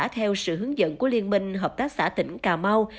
theo sự hướng dẫn của liên minh hợp tác xã tỉnh cà mau